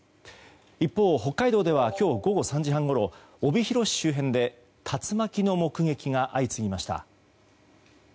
一方、北海道では今日午後３時半ごろ帯広市周辺で竜巻の目撃が相次ぎました。